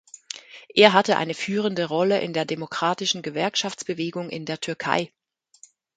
Er hatte eine führende Rolle in der demokratischen Gewerkschaftsbewegung in der Türkei.